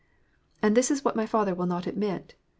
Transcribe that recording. And this is what my father will not adroit!